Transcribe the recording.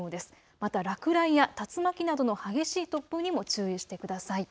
また落雷や竜巻などの激しい突風にも注意してください。